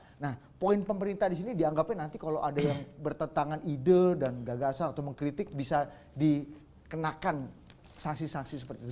nah poin pemerintah di sini dianggapnya nanti kalau ada yang bertentangan ide dan gagasan atau mengkritik bisa dikenakan sanksi sanksi seperti itu